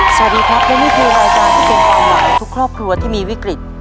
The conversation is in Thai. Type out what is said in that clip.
สวัสดีครับและนี่คือรายการที่เป็นความหวังของทุกครอบครัวที่มีวิกฤต